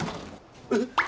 えっ？